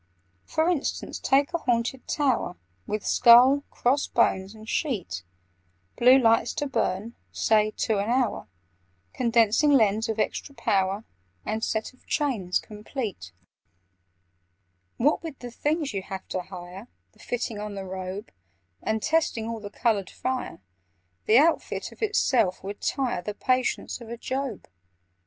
"For instance, take a Haunted Tower, With skull, cross bones, and sheet; Blue lights to burn (say) two an hour, Condensing lens of extra power, And set of chains complete: "What with the things you have to hire— The fitting on the robe— And testing all the coloured fire— The outfit of itself would tire The patience of a Job!